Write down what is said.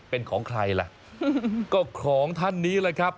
เป็นของใครล่ะก็ของท่านนี้แหละครับ